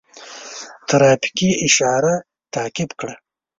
ترافیکي اشاره تعقیب کړه.